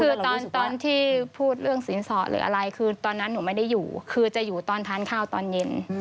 คือตอนที่พูดเรื่องสินสอดหรืออะไรคือตอนนั้นหนูไม่ได้อยู่คือจะอยู่ตอนทานข้าวตอนเย็น